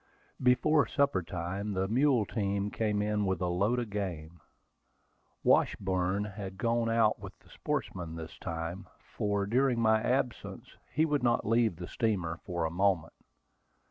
Before supper time, the mule team came in with a load of game. Washburn had gone out with the sportsmen this time, for during my absence he would not leave the steamer for a moment.